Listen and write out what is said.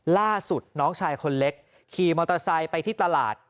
ล่าสุดน้องชายคนเล็กขี่มอเตอร์ไซค์ไปที่ตลาด